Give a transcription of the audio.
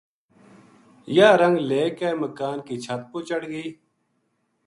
یاہ رنگ لے کے مکان کی چھت پو چڑھ گئی